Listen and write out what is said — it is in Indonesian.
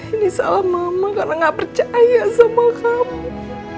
ini salah mama karena nggak percaya sama kamu